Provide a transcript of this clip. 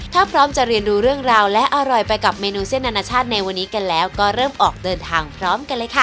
ถ้าพร้อมจะเรียนรู้เรื่องราวและอร่อยไปกับเมนูเส้นอนาชาติในวันนี้กันแล้วก็เริ่มออกเดินทางพร้อมกันเลยค่ะ